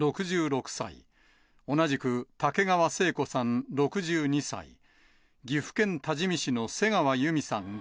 ６６歳、同じく竹川生子さん６２歳、岐阜県多治見市の瀬川由美さん